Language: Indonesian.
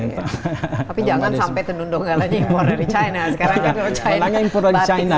tapi jangan sampai tenundongan lagi impor dari china